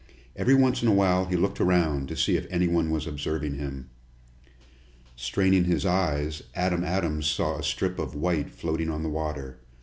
Every once in a while he looked around, to see if anybody was observing him. Straining his eyes, Adam Adams saw a strip of white floating on the water.